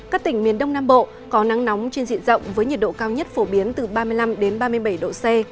các tỉnh miền đông nam bộ có nắng nóng trên diện rộng với nhiệt độ cao nhất phổ biến từ ba mươi năm ba mươi bảy độ c